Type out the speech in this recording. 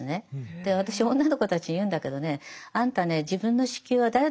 で私女の子たちに言うんだけどねあんたね自分の子宮は誰のもんだと思ってる？